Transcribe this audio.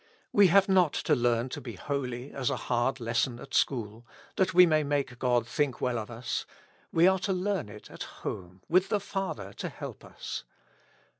We have not to learn to be holy as a hard lesson at school, that we may make God think well of us ; we are to learn it at home with the Father to help us.